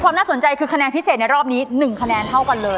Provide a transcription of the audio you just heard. น่าสนใจคือคะแนนพิเศษในรอบนี้๑คะแนนเท่ากันเลย